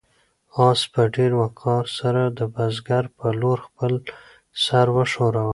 آس په ډېر وقار سره د بزګر په لور خپل سر وښوراوه.